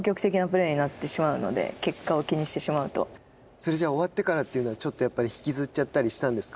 それじゃ終わってからというのはちょっとやっぱり引きずっちゃったりしたんですか。